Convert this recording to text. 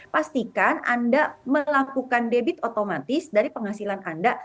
pastikan anda melakukan debit otomatis dari penghasilan anda